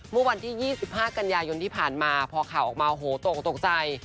เมื่อวันที่๒๕กันยายนที่ผ่านมาพอข่าวออกมาโหตกตกใจ